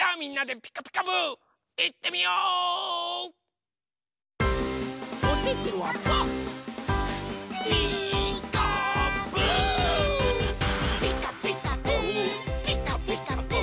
「ピカピカブ！ピカピカブ！」